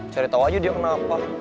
cari tahu aja dia kenapa